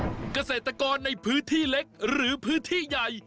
วันนี้พาลงใต้สุดไปดูวิธีของชาวปักใต้อาชีพชาวเล่น